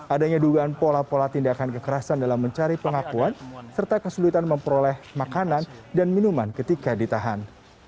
adanya dugaan pola pola tindakan kekerasan dalam mencari pengakuan serta kesulitan memperoleh makanan dan minuman ketika ditahan